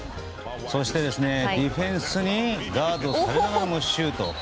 そして、ディフェンスにガードされながらもシュート。